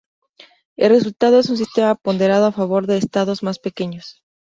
El resultado es un sistema ponderado a favor de estados más pequeños.